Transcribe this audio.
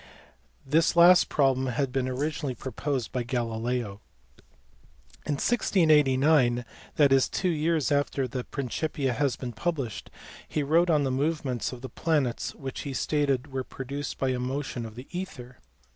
This last problem had been originally proposed by Galileo. In 1689, that is, two years after the Principia had been published, he wrote on the movements of the planets which he stated were produced by a motion of the ether.